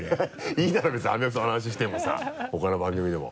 いいだろ別にアメフトの話してもさ他の番組でも。